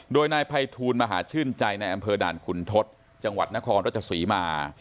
โดยนายภัยทูลมหาชื่นใจในอำเภอด่านขุนทศจังหวัดนครรัชศรีมา